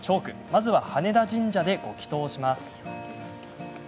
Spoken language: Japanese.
まずは、羽田神社でご祈とうをします。